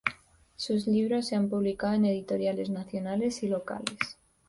Sus libros se han publicado en editoriales nacionales y locales.